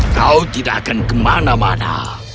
kau tidak akan kemana mana